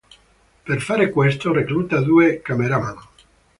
Per fare questo, recluta due cameraman.